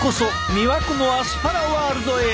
魅惑のアスパラワールドへ。